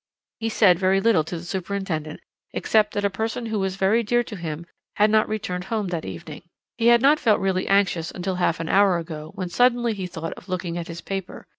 He said very little to the superintendent except that a person who was very dear to him had not returned home that evening. "He had not felt really anxious until half an hour ago, when suddenly he thought of looking at his paper.